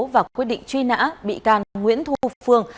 và quyết định truy nã bị can nguyễn thu phương